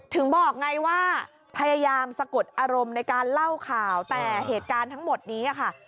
ถึงบอกไงว่าพยายามสะกดอารมณ์ในการเล่าข่าวแต่เหตุการณ์ทั้งหมดนี้ค่ะ